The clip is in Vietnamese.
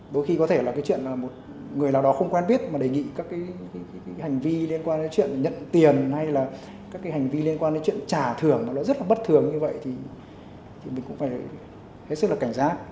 đôi khi có thể là cái chuyện là một người nào đó không quen biết mà đề nghị các cái hành vi liên quan đến chuyện nhận tiền hay là các cái hành vi liên quan đến chuyện trả thưởng nó rất là bất thường như vậy thì mình cũng phải hết sức là cảnh giác